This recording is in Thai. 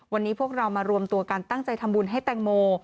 วันนี้พวกเรามารวมตัวกันตั้งใจทำบุญให้แตงโม